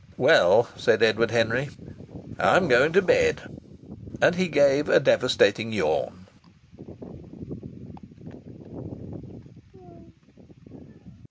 "Well," said Edward Henry, "I'm going to bed." And he gave a devastating yawn.